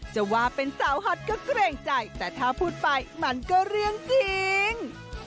จะว่าเป็นสาวฮอตก็เกรงใจแต่ถ้าพูดไปมันก็เรื่องจริง